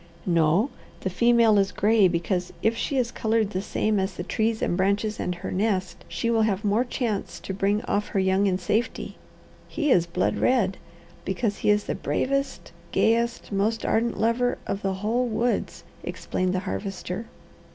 "No. The female is gray, because if she is coloured the same as the trees and branches and her nest, she will have more chance to bring off her young in safety. He is blood red, because he is the bravest, gayest, most ardent lover of the whole woods," explained the Harvester.